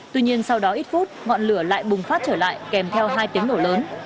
tuy nhiên sau đó ít phút ngọn lửa lại bùng phát trở lại kèm theo hai tiếng nổ lớn